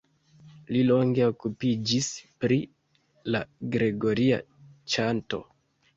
Li longe okupiĝis pri la gregoria ĉanto.